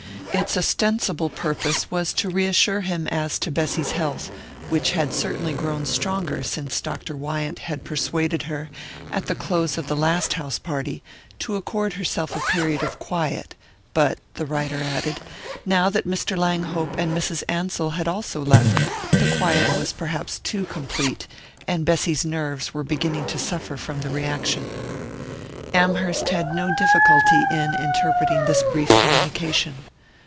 Its ostensible purpose was to reassure him as to Bessy's health, which had certainly grown stronger since Dr. Wyant had persuaded her, at the close of the last house party, to accord herself a period of quiet; but (the writer added) now that Mr. Langhope and Mrs. Ansell had also left, the quiet was perhaps too complete, and Bessy's nerves were beginning to suffer from the reaction. Amherst had no difficulty in interpreting this brief communication.